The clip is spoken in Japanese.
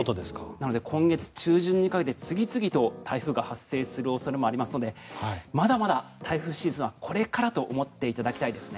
なので今月中旬にかけて次々と台風が発生する恐れがありますのでまだまだ台風シーズンはこれからと思っていただきたいですね。